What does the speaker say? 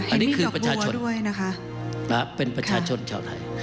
อันนี้คือประชาชนเป็นประชาชนชาวไทย